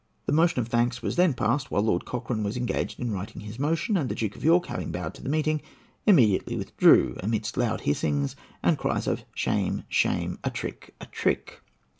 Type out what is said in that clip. The motion of thanks was then passed while Lord Cochrane was engaged in writing his motion, and the Duke of York, having bowed to the meeting, immediately withdrew, amidst loud hissings, and cries of "Shame! shame! a trick! a trick!"